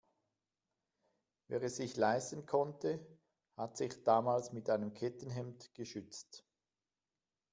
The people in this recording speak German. Wer es sich leisten konnte, hat sich damals mit einem Kettenhemd geschützt.